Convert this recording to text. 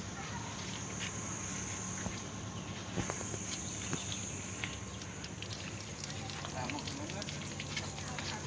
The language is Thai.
สุดท้ายสุดท้ายสุดท้าย